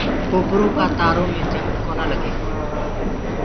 ڪوپرو ڪآ تآرو مي جنگ ڪونآ لگي۔